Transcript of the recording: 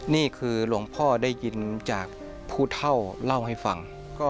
นี่คือหลวงพ่อได้ยินจากผู้เท่าเล่าให้ฟัง